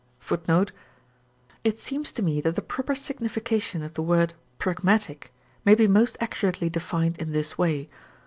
* It seems to me that the proper signification of the word pragmatic may be most accurately defined in this way.